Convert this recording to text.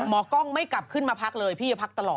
กล้องไม่กลับขึ้นมาพักเลยพี่จะพักตลอด